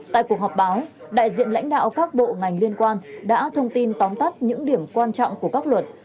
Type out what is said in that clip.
tại cuộc họp báo đại diện lãnh đạo các bộ ngành liên quan đã thông tin tóm tắt những điểm quan trọng của các luật